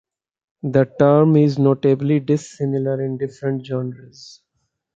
The term is notably dissimilar in different genres.